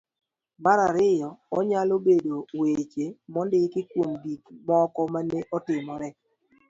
ma ariyo .Onyalo bedo weche mondiki kuom gik moko ma ne otimore..